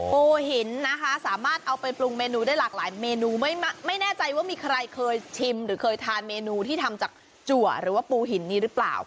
ปูหินนะคะสามารถเอาไปปรุงเมนูได้หลากหลายเมนูไม่แน่ใจว่ามีใครเคยชิมหรือเคยทานเมนูที่ทำจากจัวหรือว่าปูหินนี้หรือเปล่า